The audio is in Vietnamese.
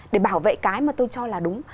để bảo vệ cái mà tôi cho là đúng